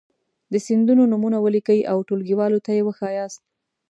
د سیندونو نومونه ولیکئ او ټولګیوالو ته یې وښایاست.